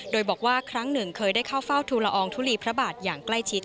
โดยบอกว่าครั้งหนึ่งเคยได้เข้าเฝ้าทุลอองทุลีพระบาทอย่างใกล้ชิด